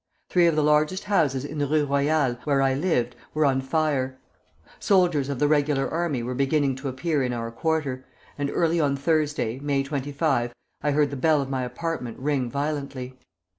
Three of the largest houses in the Rue Royale, where I lived, were on fire. Soldiers of the regular army were beginning to appear in our quarter, and early on Thursday, May 25, I heard the bell of my apartment ring violently.